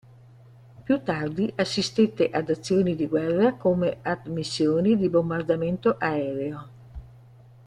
Più tardi assistette ad azioni di guerra, come ad missioni di bombardamento aereo.